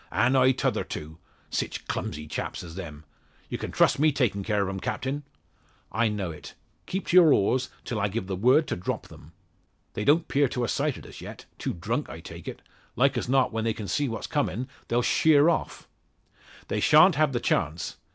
"An' I t'other two sich clumsy chaps as them! Ye can trust me takin' care o' 'em, Captin." "I know it. Keep to your oars, till I give the word to drop them." "They don't 'pear to a sighted us yet. Too drunk I take it. Like as not when they see what's comin' they'll sheer off." "They shan't have the chance.